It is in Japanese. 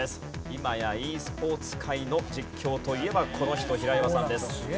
今やｅスポーツ界の実況といえばこの人平岩さんです。